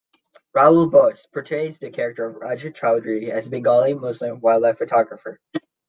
Rahul Bose portrays the character of Raja Chowdhury, a Bengali Muslim wildlife photographer.